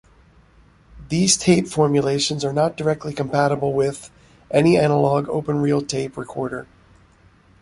These tape formulations are not directly compatible with any analog open-reel tape recorder.